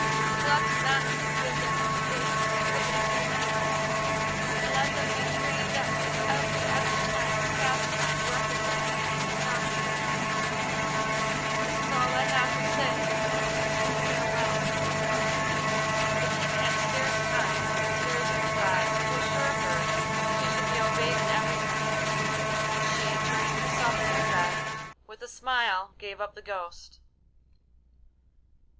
Neglect not to give them education suitable to their birth, and let them be trained up to every exercise and pastime requisite for king's sons to learn. This is all I have to say, so farewell.' The King had scarce time, with tears in his eyes, to assure her she should be obeyed in everything, when she, turning herself in her bed, with a smile gave up the ghost.